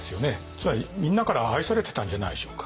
つまりみんなから愛されてたんじゃないでしょうか。